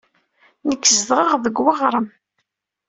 Nekk zedɣeɣ deg waɣrem.